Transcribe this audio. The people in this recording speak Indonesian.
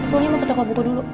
soalnya mau ke toko buku dulu